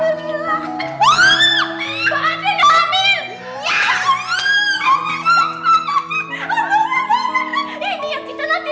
enggak mau denger ini cepetan apa andi andi